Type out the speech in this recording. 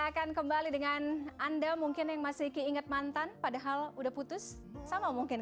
akan kembali dengan anda mungkin yang masih ingat mantan padahal udah putus sama mungkin